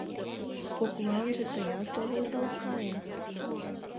Кокланже тыят толылдал кае.